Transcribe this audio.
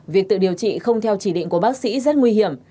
việc tự điều trị không theo chỉ định của bác sĩ rất nguy hiểm